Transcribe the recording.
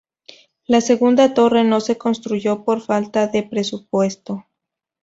La segunda torre no se construyó por falta de presupuesto.